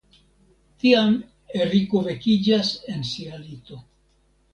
Tiam Eriko vekiĝas en sia lito.